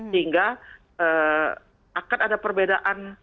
hingga akan ada perbedaan